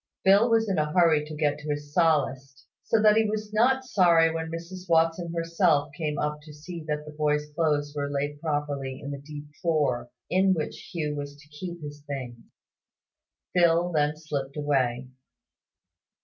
Phil was in a hurry to get to his Sallust; so that he was not sorry when Mrs Watson herself came up to see that the boy's clothes were laid properly in the deep drawer in which Hugh was to keep his things. Phil then slipped away.